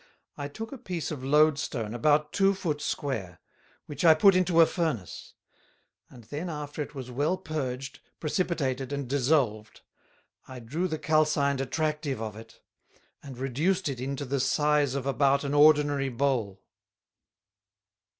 I took a piece of Load stone about two Foot square, which I put into a Furnace; and then after it was well purged, precipitated and dissolved, I drew the calcined Attractive of it, and reduced it into the size of about an ordinary Bowl.